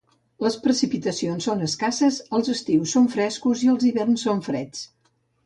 Les precipitacions són escasses, els estius són frescos i els hiverns són freds.